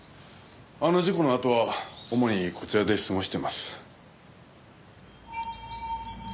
あの事故のあとは主にこちらで過ごしてます。